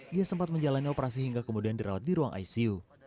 dia sempat menjalani operasi hingga kemudian dirawat di ruang icu